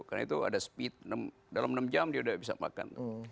karena itu ada speed dalam enam jam dia udah bisa makan